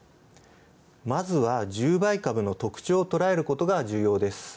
まずは１０倍株の特徴をとらえることが重要です。